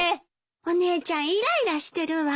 お姉ちゃんイライラしてるわ。